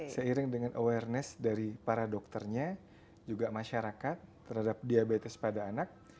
seiring dengan awareness dari para dokternya juga masyarakat terhadap diabetes pada anak